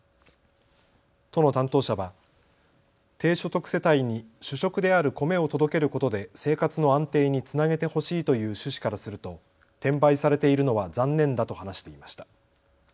都の担当者は低所得世帯に主食である米を届けることで生活の安定につなげてほしいという趣旨からすると転売されているのは残念だと話していました。